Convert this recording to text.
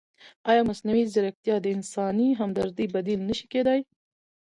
ایا مصنوعي ځیرکتیا د انساني همدردۍ بدیل نه شي کېدای؟